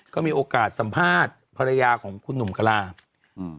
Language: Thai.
ก็มีโอกาสสัมภาษณ์ภรรยาของคุณหนุ่มกลาอืม